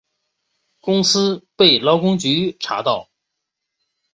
公司被劳工局查到